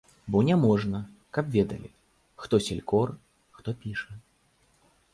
Бо няможна, каб ведалі, хто селькор, хто піша.